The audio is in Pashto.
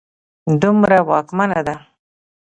دومره واکمنه ده